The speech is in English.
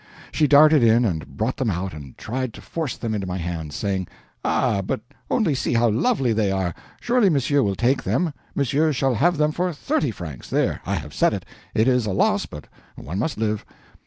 She darted in and brought them out and tried to force them into my hands, saying: "Ah, but only see how lovely they are! Surely monsieur will take them; monsieur shall have them for thirty francs. There, I have said it it is a loss, but one must live."